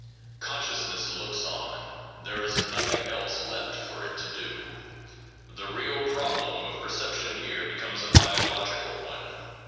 Consciousness looks on; there is nothing else left for it to do. The real problem of perception here becomes a bio logical one.